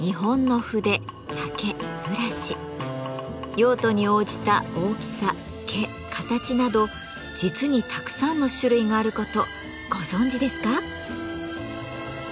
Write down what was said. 用途に応じた大きさ毛形など実にたくさんの種類があることご存じですか？